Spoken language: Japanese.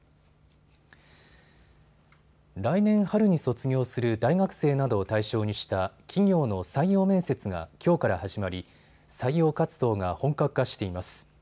来年春に卒業する大学生などを対象にした企業の採用面接がきょうから始まり採用活動が本格化しています。